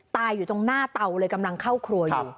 ตายอยู่ตรงหน้าเตาเลยกำลังเข้าครัวอยู่